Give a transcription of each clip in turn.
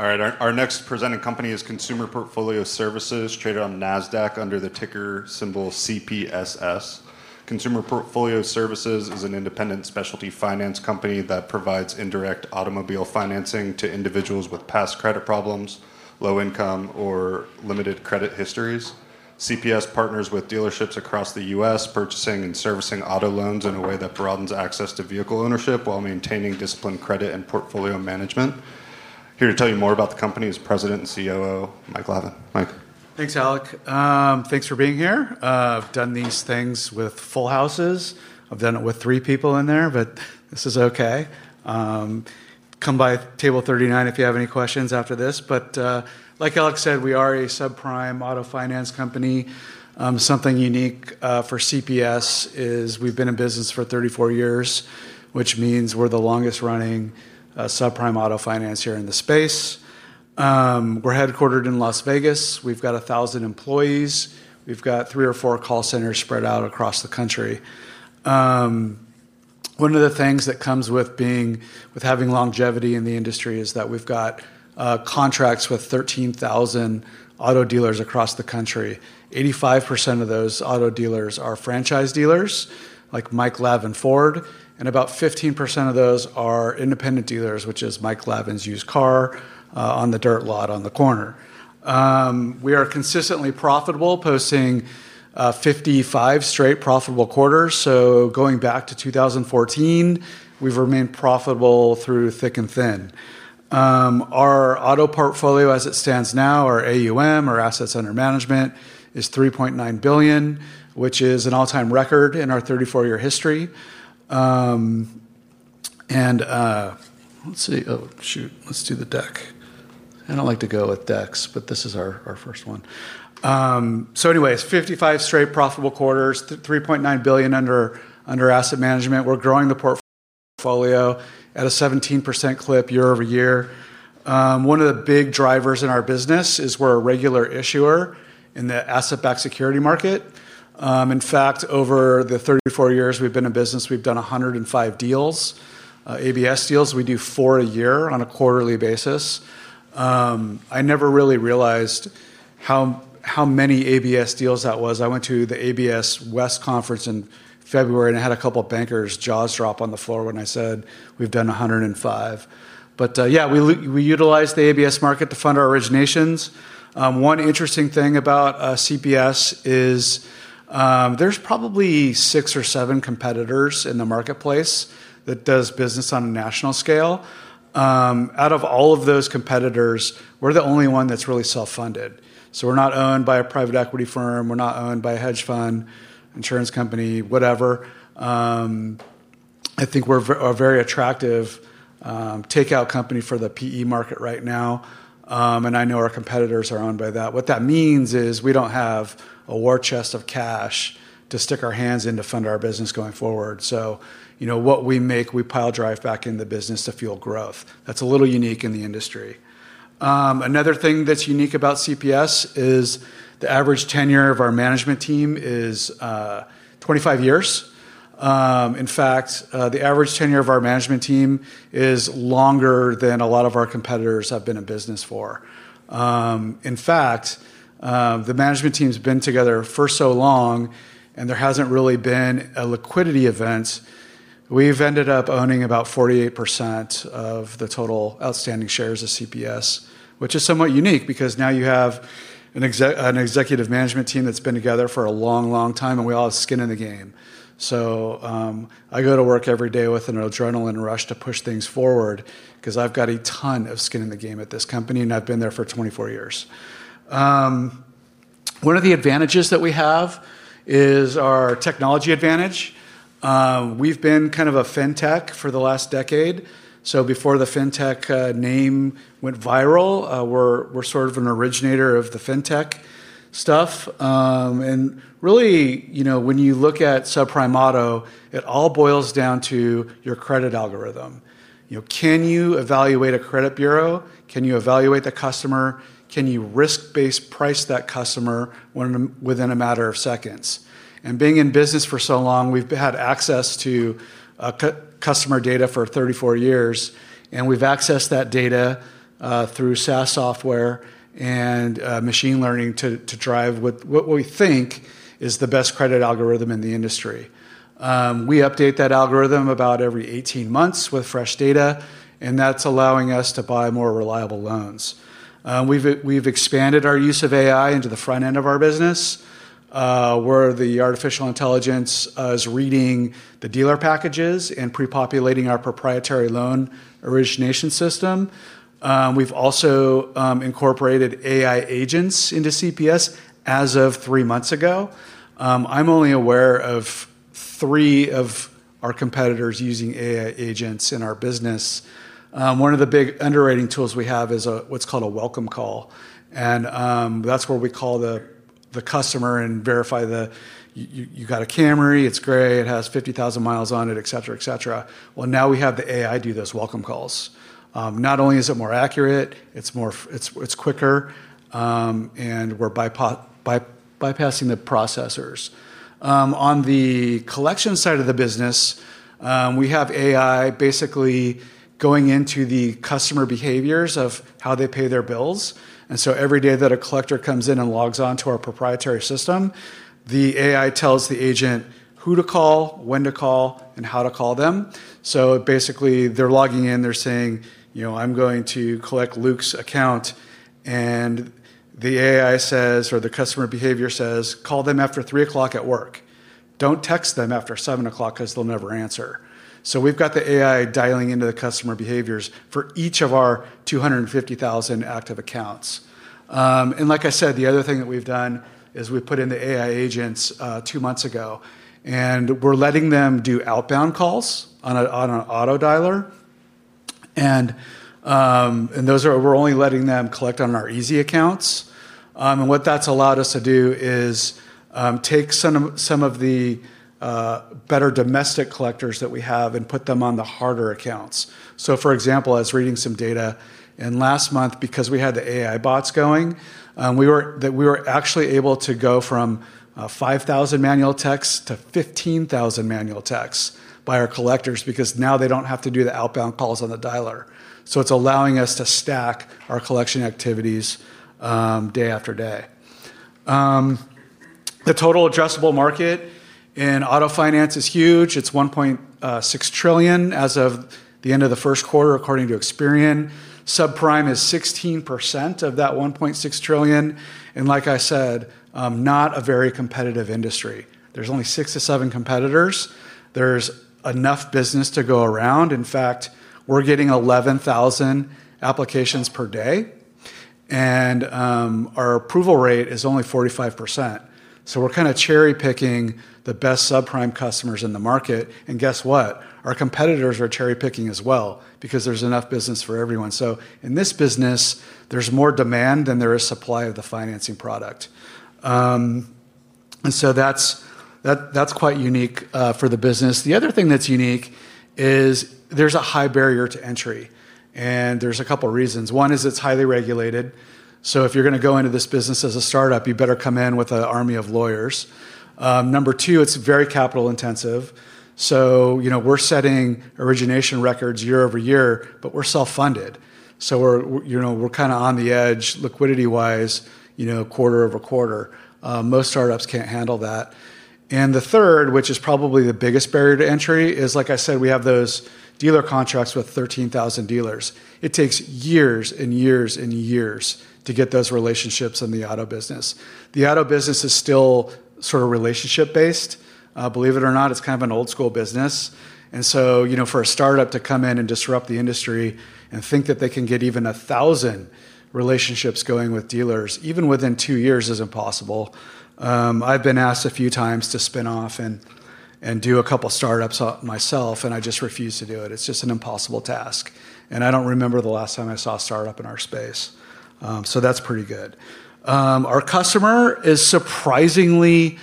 All right. Our next presenting company is Consumer Portfolio Services, traded on NASDAQ under the ticker symbol CPSS. Consumer Portfolio Services is an independent specialty finance company that provides indirect automobile financing to individuals with past credit problems, low income, or limited credit histories. CPS partners with dealerships across the U.S., purchasing and servicing auto loans in a way that broadens access to vehicle ownership while maintaining disciplined credit and portfolio management. Here to tell you more about the company is President and COO, Mike Lavin. Mike. Thanks, Alec. Thanks for being here. I've done these things with full houses. I've done it with three people in there, but this is okay. Come by Table 39 if you have any questions after this. But like Alec said, we are a subprime auto finance company. Something unique for CPS is we've been in business for 34 years, which means we're the longest-running subprime auto finance here in the space. We're headquartered in Las Vegas. We've got 1,000 employees. We've got three or four call centers spread out across the country. One of the things that comes with having longevity in the industry is that we've got contracts with 13,000 auto dealers across the country. 85% of those auto dealers are franchise dealers, like Mike Lavin Ford, and about 15% of those are independent dealers, which is Mike Lavin's used car on the dirt lot on the corner. We are consistently profitable, posting 55 straight profitable quarters, so going back to 2014, we've remained profitable through thick and thin. Our auto portfolio, as it stands now, our AUM, or assets under management, is $3.9 billion, which is an all-time record in our 34-year history, and let's see. Oh, shoot. Let's do the deck. I don't like to go with decks, but this is our first one, so anyway, it's 55 straight profitable quarters, $3.9 billion under asset management. We're growing the portfolio at a 17% clip year-over-year. One of the big drivers in our business is we're a regular issuer in the asset-backed security market. In fact, over the 34 years we've been in business, we've done 105 deals, ABS deals. We do four a year on a quarterly basis. I never really realized how many ABS deals that was. I went to the ABS West Conference in February and had a couple of bankers' jaws drop on the floor when I said we've done 105. But yeah, we utilize the ABS market to fund our originations. One interesting thing about CPS is there's probably six or seven competitors in the marketplace that do business on a national scale. Out of all of those competitors, we're the only one that's really self-funded. So we're not owned by a private equity firm. We're not owned by a hedge fund, insurance company, whatever. I think we're a very attractive takeout company for the PE market right now. And I know our competitors are owned by that. What that means is we don't have a war chest of cash to stick our hands in to fund our business going forward. So what we make, we pile drive back into the business to fuel growth. That's a little unique in the industry. Another thing that's unique about CPS is the average tenure of our management team is 25 years. In fact, the average tenure of our management team is longer than a lot of our competitors have been in business for. In fact, the management team's been together for so long, and there hasn't really been a liquidity event. We've ended up owning about 48% of the total outstanding shares of CPS, which is somewhat unique because now you have an executive management team that's been together for a long, long time, and we all have skin in the game. So I go to work every day with an adrenaline rush to push things forward because I've got a ton of skin in the game at this company, and I've been there for 24 years. One of the advantages that we have is our technology advantage. We've been kind of a fintech for the last decade. So before the fintech name went viral, we're sort of an originator of the fintech stuff. And really, when you look at subprime auto, it all boils down to your credit algorithm. Can you evaluate a credit bureau? Can you evaluate the customer? Can you risk-based price that customer within a matter of seconds? And being in business for so long, we've had access to customer data for 34 years, and we've accessed that data through SaaS software and machine learning to drive what we think is the best credit algorithm in the industry. We update that algorithm about every 18 months with fresh data, and that's allowing us to buy more reliable loans. We've expanded our use of AI into the front end of our business, where the artificial intelligence is reading the dealer packages and pre-populating our proprietary loan origination system. We've also incorporated AI agents into CPS as of three months ago. I'm only aware of three of our competitors using AI agents in our business. One of the big underwriting tools we have is what's called a Welcome Call. And that's where we call the customer and verify the, "You got a Camry? It's gray. It has 50,000 miles on it," etc., etc. Well, now we have the AI do those Welcome Calls. Not only is it more accurate, it's quicker, and we're bypassing the processors. On the collection side of the business, we have AI basically going into the customer behaviors of how they pay their bills. And so every day that a collector comes in and logs on to our proprietary system, the AI tells the agent who to call, when to call, and how to call them. So basically, they're logging in. They're saying, "I'm going to collect Luke's account." And the AI says, or the customer behavior says, "Call them after 3 o'clock at work. Don't text them after 7 o'clock because they'll never answer." So we've got the AI dialing into the customer behaviors for each of our 250,000 active accounts. And like I said, the other thing that we've done is we put in the AI agents two months ago, and we're letting them do outbound calls on an auto dialer. And we're only letting them collect on our easy accounts. And what that's allowed us to do is take some of the better domestic collectors that we have and put them on the harder accounts. So for example, I was reading some data in last month because we had the AI bots going, we were actually able to go from 5,000 manual texts to 15,000 manual texts by our collectors because now they don't have to do the outbound calls on the dialer. So it's allowing us to stack our collection activities day-after-day. The total addressable market in auto finance is huge. It's $1.6 trillion as of the end of the 1st quarter, according to Experian. Subprime is 16% of that $1.6 trillion. And like I said, not a very competitive industry. There's only six to seven competitors. There's enough business to go around. In fact, we're getting 11,000 applications per day. And our approval rate is only 45%. So we're kind of cherry-picking the best subprime customers in the market. And guess what? Our competitors are cherry-picking as well because there's enough business for everyone. So in this business, there's more demand than there is supply of the financing product. And so that's quite unique for the business. The other thing that's unique is there's a high barrier to entry. And there's a couple of reasons. One is it's highly regulated. So if you're going to go into this business as a startup, you better come in with an army of lawyers. Number two, it's very capital intensive. So we're setting origination records year over year, but we're self-funded. So we're kind of on the edge, liquidity-wise, quarter-over-quarter. Most startups can't handle that. And the third, which is probably the biggest barrier to entry, is like I said, we have those dealer contracts with 13,000 dealers. It takes years and years and years to get those relationships in the auto business. The auto business is still sort of relationship-based. Believe it or not, it's kind of an old-school business. And so for a startup to come in and disrupt the industry and think that they can get even 1,000 relationships going with dealers, even within two years, is impossible. I've been asked a few times to spin off and do a couple of startups myself, and I just refuse to do it. It's just an impossible task. And I don't remember the last time I saw a startup in our space. So that's pretty good. Our customer is surprisingly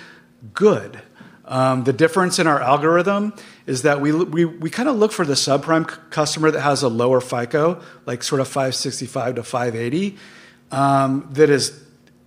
good. The difference in our algorithm is that we kind of look for the subprime customer that has a lower FICO, like sort of 565-580, that is,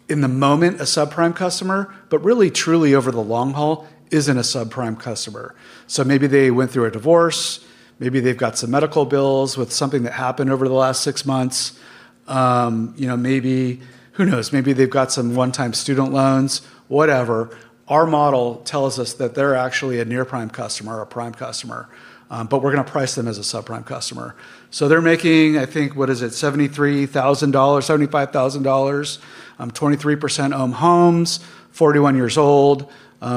in the moment, a subprime customer, but really, truly, over the long haul, isn't a subprime customer. So maybe they went through a divorce. Maybe they've got some medical bills with something that happened over the last six months. Maybe, who knows, maybe they've got some one-time student loans, whatever. Our model tells us that they're actually a near-prime customer or a prime customer, but we're going to price them as a subprime customer. So they're making, I think, what is it, $73,000, $75,000, 23% own homes, 41 years old,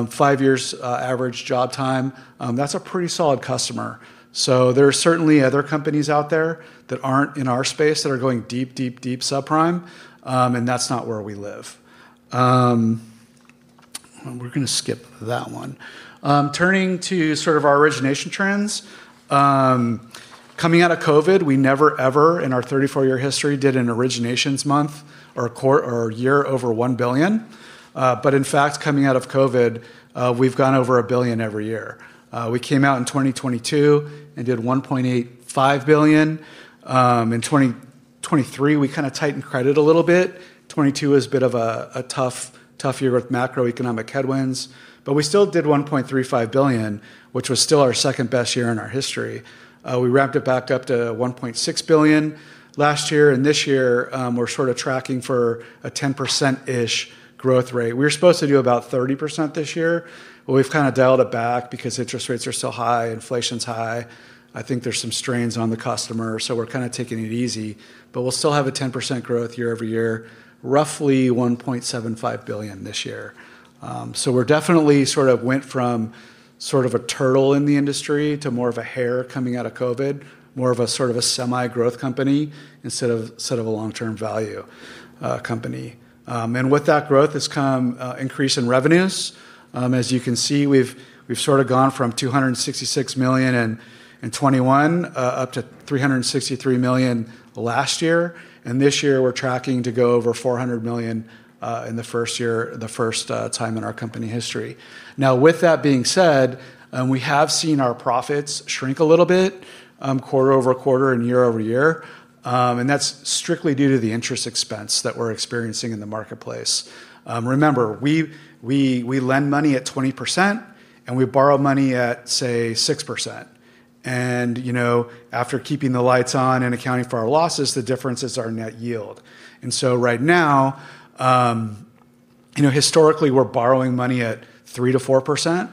five years average job time. That's a pretty solid customer. So there are certainly other companies out there that aren't in our space that are going deep, deep, deep subprime, and that's not where we live. We're going to skip that one. Turning to sort of our origination trends. Coming out of COVID, we never, ever in our 34-year history did an originations month or a year over $1 billion. But in fact, coming out of COVID, we've gone over $1 billion every year. We came out in 2022 and did $1.85 billion. In 2023, we kind of tightened credit a little bit. 2022 was a bit of a tough year with macroeconomic headwinds. But we still did $1.35 billion, which was still our second-best year in our history. We ramped it back up to $1.6 billion last year. And this year, we're sort of tracking for a 10%-ish growth rate. We were supposed to do about 30% this year. We've kind of dialed it back because interest rates are so high, inflation's high. I think there's some strains on the customer, so we're kind of taking it easy. But we'll still have a 10% growth year-over-year, roughly $1.75 billion this year. So we definitely sort of went from sort of a turtle in the industry to more of a hare coming out of COVID, more of a sort of a semi-growth company instead of a long-term value company. And with that growth has come an increase in revenues. As you can see, we've sort of gone from $266 million in 2021 up to $363 million last year. And this year, we're tracking to go over $400 million in the first time in our company history. Now, with that being said, we have seen our profits shrink a little bit quarter-over-quarter and year-over-year. That's strictly due to the interest expense that we're experiencing in the marketplace. Remember, we lend money at 20%, and we borrow money at, say, 6%. After keeping the lights on and accounting for our losses, the difference is our net yield. Right now, historically, we're borrowing money at 3%-4%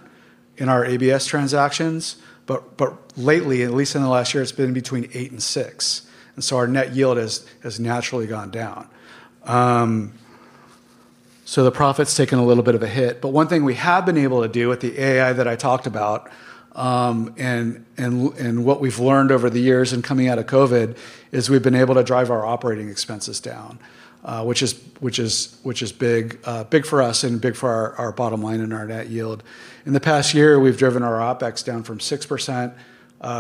in our ABS transactions. Lately, at least in the last year, it's been between 8% and 6%. Our net yield has naturally gone down. The profit's taken a little bit of a hit. One thing we have been able to do with the AI that I talked about and what we've learned over the years and coming out of COVID is we've been able to drive our operating expenses down, which is big for us and big for our bottom line and our net yield. In the past year, we've driven our OpEx down from 6%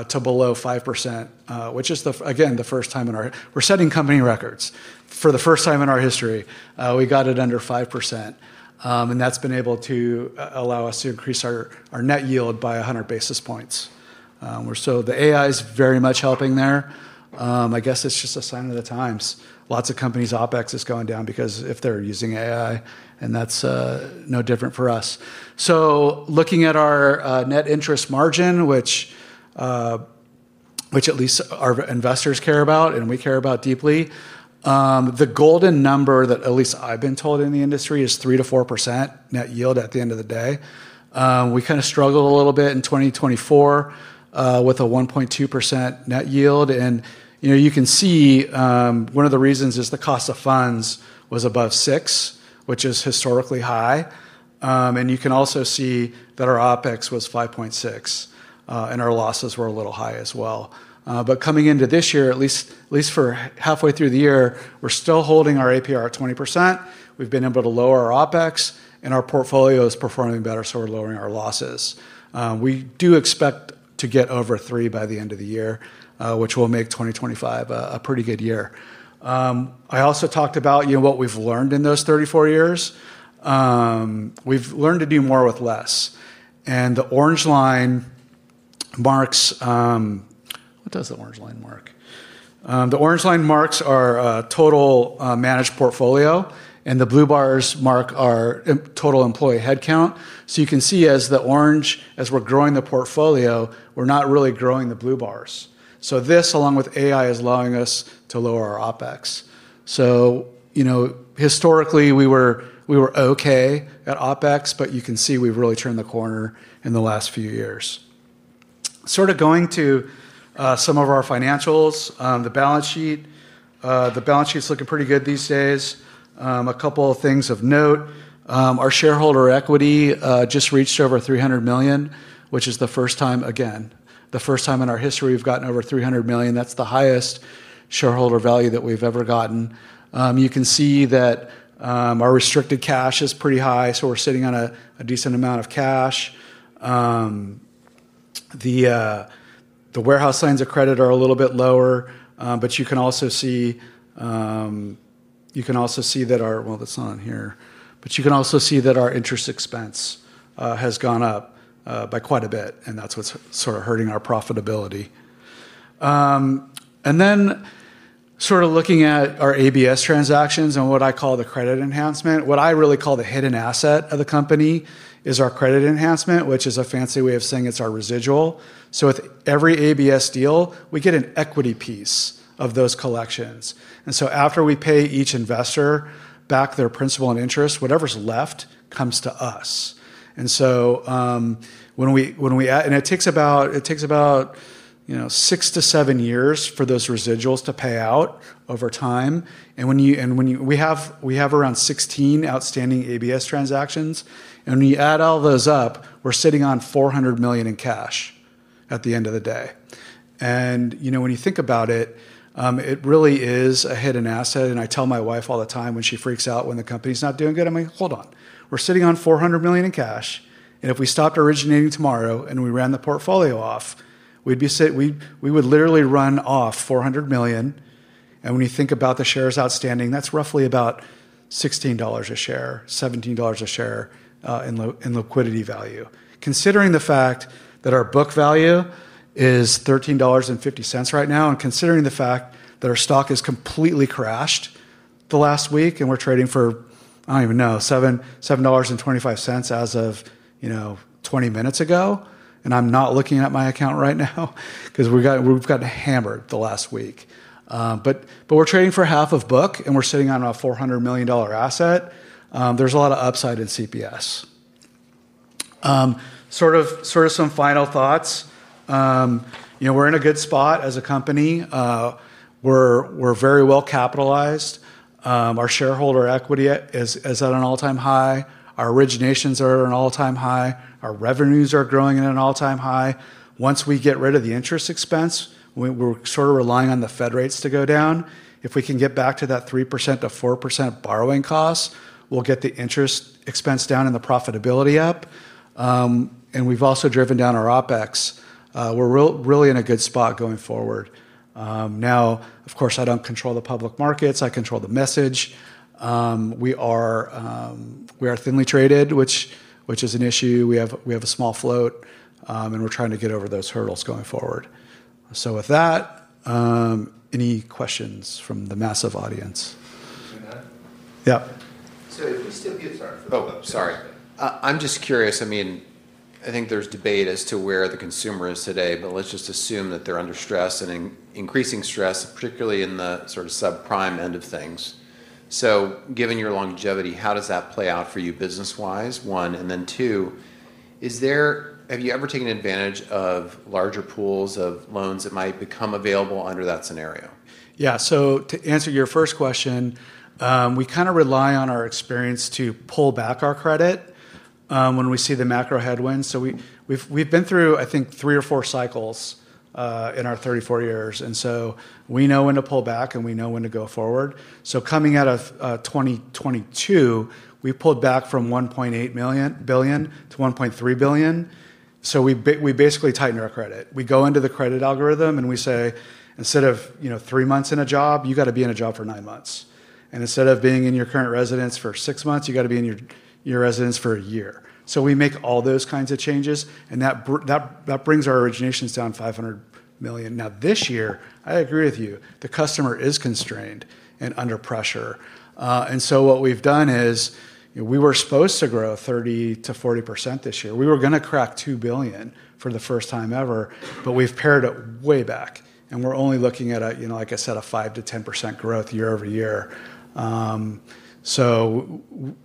to below 5%, which is, again, the first time in our history we're setting company records. For the first time in our history, we got it under 5%, and that's been able to allow us to increase our net yield by 100 basis points, so the AI is very much helping there. I guess it's just a sign of the times. Lots of companies' OpEx is going down because if they're using AI, and that's no different for us, so looking at our net interest margin, which at least our investors care about and we care about deeply, the golden number that at least I've been told in the industry is 3%-4% net yield at the end of the day. We kind of struggled a little bit in 2024 with a 1.2% net yield. And you can see one of the reasons is the cost of funds was above six, which is historically high. And you can also see that our OpEx was 5.6%, and our losses were a little high as well. But coming into this year, at least for halfway through the year, we're still holding our APR at 20%. We've been able to lower our OpEx, and our portfolio is performing better, so we're lowering our losses. We do expect to get over three by the end of the year, which will make 2025 a pretty good year. I also talked about what we've learned in those 34 years. We've learned to do more with less. And the orange line marks what does the orange line mark? The orange line marks our total managed portfolio, and the blue bars mark our total employee headcount. So you can see as the orange, as we're growing the portfolio, we're not really growing the blue bars. So this, along with AI, is allowing us to lower our OpEx. So historically, we were okay at OpEx, but you can see we've really turned the corner in the last few years. Sort of going to some of our financials, the balance sheet. The balance sheet's looking pretty good these days. A couple of things of note. Our shareholder equity just reached over $300 million, which is the first time again. The first time in our history, we've gotten over $300 million. That's the highest shareholder value that we've ever gotten. You can see that our restricted cash is pretty high, so we're sitting on a decent amount of cash. The warehouse lines of credit are a little bit lower, but you can also see that our interest expense has gone up by quite a bit, and that's what's sort of hurting our profitability, and then sort of looking at our ABS transactions and what I call the credit enhancement, what I really call the hidden asset of the company is our credit enhancement, which is a fancy way of saying it's our residual, so with every ABS deal, we get an equity piece of those collections, and so after we pay each investor back their principal and interest, whatever's left comes to us, and so it takes about six to seven years for those residuals to pay out over time, and we have around 16 outstanding ABS transactions. And when you add all those up, we're sitting on $400 million in cash at the end of the day. And when you think about it, it really is a hidden asset. And I tell my wife all the time when she freaks out when the company's not doing good, I'm like, "Hold on. We're sitting on $400 million in cash. And if we stopped originating tomorrow and we ran the portfolio off, we would literally run off $400 million." And when you think about the shares outstanding, that's roughly about $16 a share, $17 a share in liquidity value. Considering the fact that our book value is $13.50 right now and considering the fact that our stock has completely crashed the last week and we're trading for, I don't even know, $7.25 as of 20 minutes ago, and I'm not looking at my account right now because we've gotten hammered the last week. But we're trading for half of book, and we're sitting on a $400 million asset. There's a lot of upside in CPS. Sort of some final thoughts. We're in a good spot as a company. We're very well capitalized. Our shareholder equity is at an all-time high. Our originations are at an all-time high. Our revenues are growing at an all-time high. Once we get rid of the interest expense, we're sort of relying on the Fed rates to go down. If we can get back to that 3%-4% borrowing cost, we'll get the interest expense down and the profitability up. And we've also driven down our OpEx. We're really in a good spot going forward. Now, of course, I don't control the public markets. I control the message. We are thinly traded, which is an issue. We have a small float, and we're trying to get over those hurdles going forward. So with that, any questions from the massive audience? Can I? Yeah. Sorry. Oh, sorry. I'm just curious. I mean, I think there's debate as to where the consumer is today, but let's just assume that they're under stress and increasing stress, particularly in the sort of subprime end of things. So given your longevity, how does that play out for you business-wise, one? And then two, have you ever taken advantage of larger pools of loans that might become available under that scenario? Yeah. So to answer your first question, we kind of rely on our experience to pull back our credit when we see the macro headwinds. So we've been through, I think, three or four cycles in our 34 years. And so we know when to pull back, and we know when to go forward. So coming out of 2022, we pulled back from $1.8 billion-$1.3 billion. So we basically tighten our credit. We go into the credit algorithm, and we say, instead of three months in a job, you got to be in a job for nine months. And instead of being in your current residence for six months, you got to be in your residence for a year. So we make all those kinds of changes, and that brings our originations down $500 million. Now, this year, I agree with you, the customer is constrained and under pressure, and so what we've done is we were supposed to grow 30%-40% this year. We were going to crack $2 billion for the first time ever, but we've pared it way back, and we're only looking at, like I said, a 5%-10% growth year-over-year, so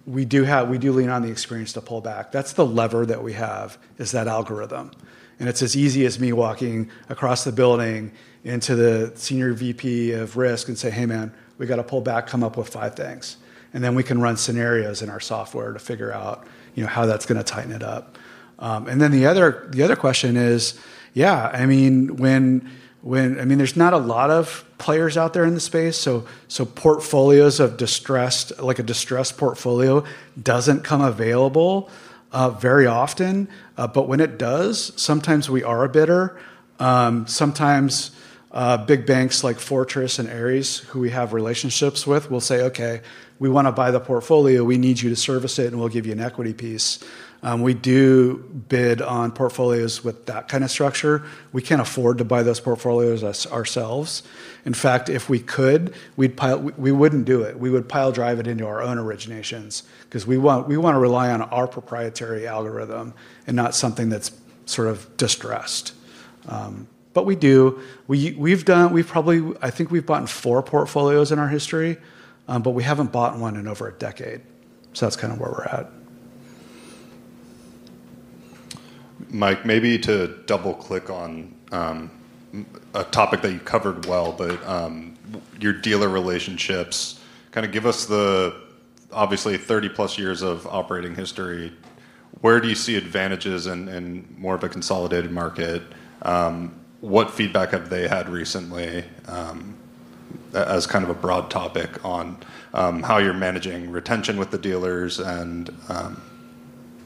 we do lean on the experience to pull back. That's the lever that we have is that algorithm, and it's as easy as me walking across the building into the senior VP of risk and say, "Hey, man, we got to pull back, come up with five things," and then we can run scenarios in our software to figure out how that's going to tighten it up. And then the other question is, yeah, I mean, when I mean, there's not a lot of players out there in the space. So portfolios of distressed, like a distressed portfolio doesn't come available very often. But when it does, sometimes we are a bidder. Sometimes big banks like Fortress and Ares, who we have relationships with, will say, "Okay, we want to buy the portfolio. We need you to service it, and we'll give you an equity piece." We do bid on portfolios with that kind of structure. We can't afford to buy those portfolios ourselves. In fact, if we could, we wouldn't do it. We would pile drive it into our own originations because we want to rely on our proprietary algorithm and not something that's sort of distressed. But we do. We've done, I think we've bought four portfolios in our history, but we haven't bought one in over a decade. So that's kind of where we're at. Mike, maybe to double-click on a topic that you covered well, but your dealer relationships kind of give us the obviously 30-plus years of operating history. Where do you see advantages in more of a consolidated market? What feedback have they had recently as kind of a broad topic on how you're managing retention with the dealers, and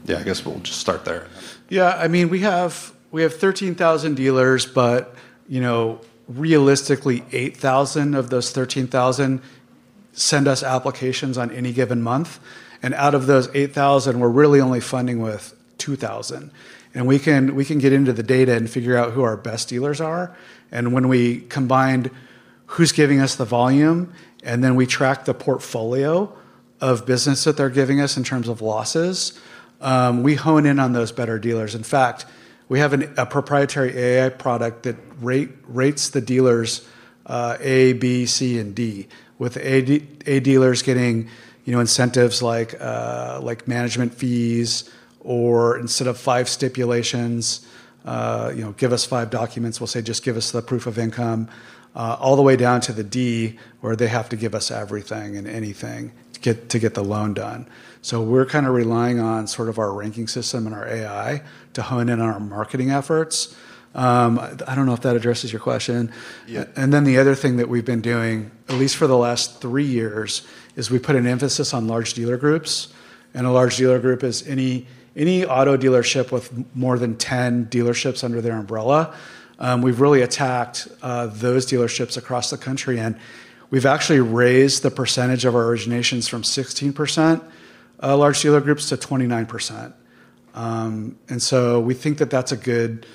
yeah, I guess we'll just start there. Yeah. I mean, we have 13,000 dealers, but realistically, 8,000 of those 13,000 send us applications on any given month, and out of those 8,000, we're really only funding with 2,000, and we can get into the data and figure out who our best dealers are, and when we combined who's giving us the volume, and then we track the portfolio of business that they're giving us in terms of losses, we hone in on those better dealers. In fact, we have a proprietary AI product that rates the dealers A, B, C, and D, with A dealers getting incentives like management fees or instead of five stipulations, "Give us five documents," we'll say, "Just give us the proof of income," all the way down to the D, where they have to give us everything and anything to get the loan done. We're kind of relying on sort of our ranking system and our AI to hone in on our marketing efforts. I don't know if that addresses your question. Then the other thing that we've been doing, at least for the last three years, is we put an emphasis on large dealer groups. A large dealer group is any auto dealership with more than 10 dealerships under their umbrella. We've really attacked those dealerships across the country, and we've actually raised the percentage of our originations from 16% large dealer groups to 29%. So we think that that's a good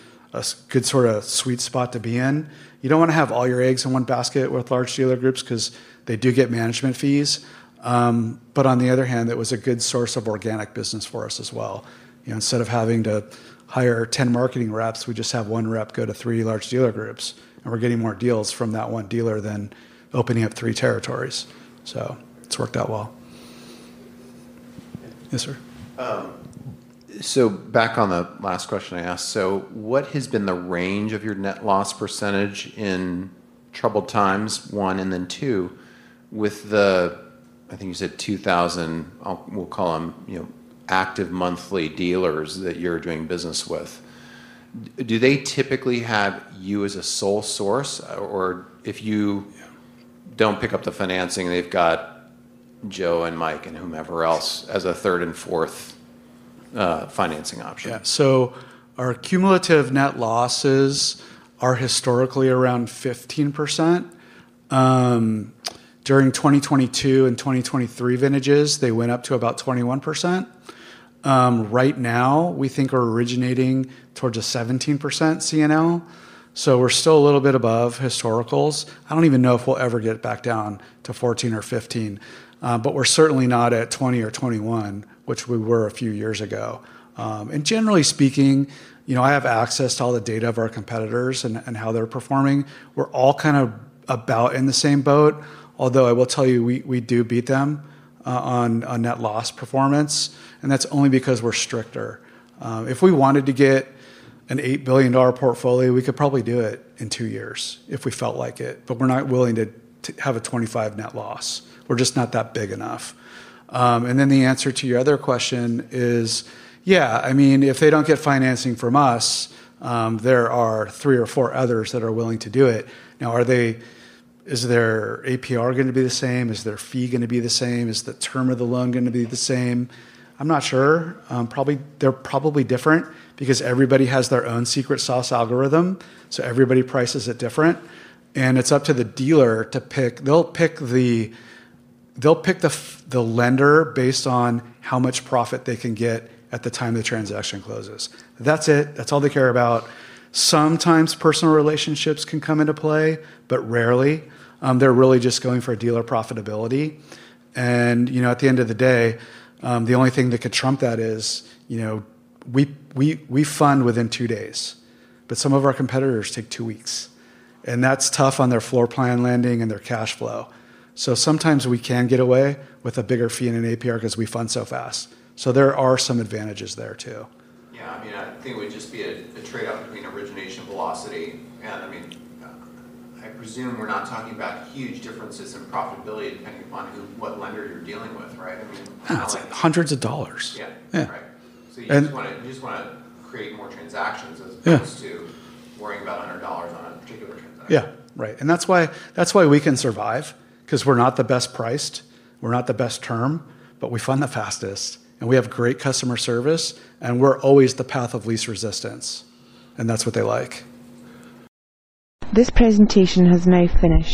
sort of sweet spot to be in. You don't want to have all your eggs in one basket with large dealer groups because they do get management fees. But on the other hand, it was a good source of organic business for us as well. Instead of having to hire 10 marketing reps, we just have one rep go to three large dealer groups, and we're getting more deals from that one dealer than opening up three territories. So it's worked out well. Yes, sir? So back on the last question I asked. So what has been the range of your net loss percentage in troubled times, one and then two, with the, I think you said 2,000, we'll call them active monthly dealers that you're doing business with? Do they typically have you as a sole source? Or if you don't pick up the financing, they've got Joe and Mike and whomever else as a third and fourth financing option? Yeah. So our cumulative net losses are historically around 15%. During 2022 and 2023 vintages, they went up to about 21%. Right now, we think we're originating towards a 17% CNL. So we're still a little bit above historicals. I don't even know if we'll ever get back down to 14% or 15%, but we're certainly not at 20% or 21%, which we were a few years ago. And generally speaking, I have access to all the data of our competitors and how they're performing. We're all kind of about in the same boat, although I will tell you we do beat them on net loss performance, and that's only because we're stricter. If we wanted to get an $8 billion portfolio, we could probably do it in two years if we felt like it, but we're not willing to have a 25% net loss. We're just not that big enough. And then the answer to your other question is, yeah, I mean, if they don't get financing from us, there are three or four others that are willing to do it. Now, is their APR going to be the same? Is their fee going to be the same? Is the term of the loan going to be the same? I'm not sure. They're probably different because everybody has their own secret sauce algorithm, so everybody prices it different. And it's up to the dealer to pick. They'll pick the lender based on how much profit they can get at the time the transaction closes. That's it. That's all they care about. Sometimes personal relationships can come into play, but rarely. They're really just going for dealer profitability. And at the end of the day, the only thing that could trump that is we fund within two days, but some of our competitors take two weeks. And that's tough on their floorplan lending and their cash flow. So sometimes we can get away with a bigger fee and an APR because we fund so fast. So there are some advantages there too. Yeah. I mean, I think it would just be a trade-off between origination velocity, and I mean, I presume we're not talking about huge differences in profitability depending upon what lender you're dealing with, right? I mean. Hundreds of dollars. Yeah. Right. So you just want to create more transactions as opposed to worrying about $100 on a particular transaction. Yeah. Right, and that's why we can survive because we're not the best priced. We're not the best term, but we fund the fastest, and we have great customer service, and we're always the path of least resistance, and that's what they like. This presentation has now finished.